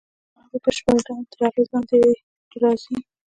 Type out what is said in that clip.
هغه په بشپړ ډول تر اغېز لاندې یې راځي